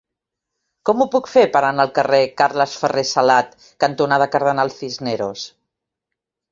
Com ho puc fer per anar al carrer Carles Ferrer Salat cantonada Cardenal Cisneros?